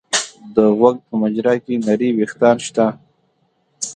د غوږ په مجرا کې نري وېښتان شته.